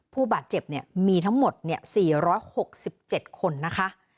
ผู้บาดเจ็บมีทั้งหมด๔๖๗คนนะคะ